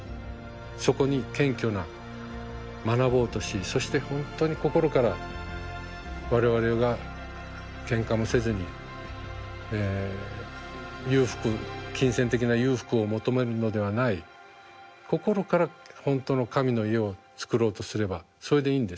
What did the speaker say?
そこに謙虚な学ぼうとしそして本当に心から我々がけんかもせずに金銭的な裕福を求めるのではない心から本当の神の家を作ろうとすればそれでいいんです。